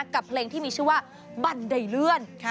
กับเพลงที่มีชื่อว่าบันไดเลื่อน